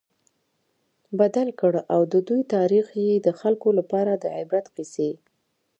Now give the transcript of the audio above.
بدل کړ، او د دوی تاريخ ئي د خلکو لپاره د عبرت قيصي